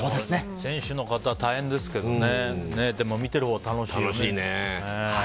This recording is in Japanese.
選手の方は大変ですけど見てるほうは楽しいよね。